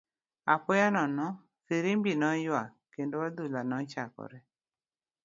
Apoya nono , firimbi noywak, kendo adhula nochakore.